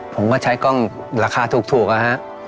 ผมก็ใช้กล้องราคาถูกนะฮะ